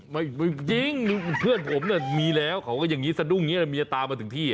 ไม่จริงเพื่อนผมมีแล้วเขาก็อย่างนี้สะดุ้งมีตามมาถึงที่